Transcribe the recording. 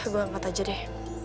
gue angkat aja deh